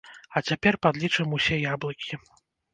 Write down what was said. А цяпер падлічым усе яблыкі!